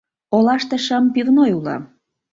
Олаште шым пивной уло.